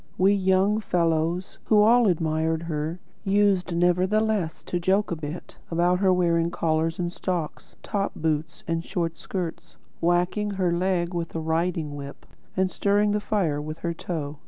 We young fellows, who all admired her, used nevertheless to joke a bit about her wearing collars and stocks, top boots and short skirts; whacking her leg with a riding whip, and stirring the fire with her toe.